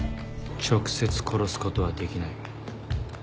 直接殺すことはできない。